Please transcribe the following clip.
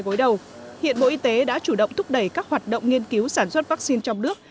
gối đầu hiện bộ y tế đã chủ động thúc đẩy các hoạt động nghiên cứu sản xuất vaccine trong nước